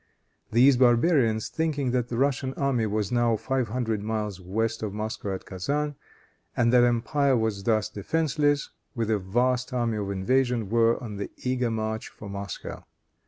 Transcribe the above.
These barbarians, thinking that the Russian army was now five hundred miles west of Moscow at Kezan, and that the empire was thus defenseless, with a vast army of invasion were on the eager march for Moscow.